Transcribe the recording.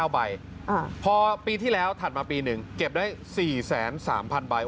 ใบพอปีที่แล้วถัดมาปี๑เก็บได้๔๓๐๐ใบ